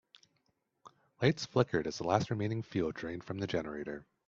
Lights flickered as the last remaining fuel drained from the generator.